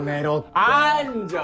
あんじゃん！